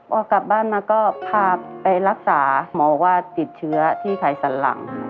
พอกลับบ้านมาก็พาไปรักษาหมอบอกว่าติดเชื้อที่ไขสันหลัง